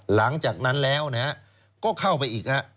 หลังจากนั้นแล้วก็เข้าไปอีกฮะ